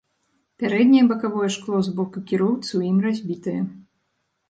Пярэдняе бакавое шкло з боку кіроўцы ў ім разбітае.